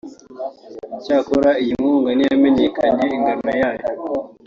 cyakora iyi nkunga ntiyamenyekanye ingano yayo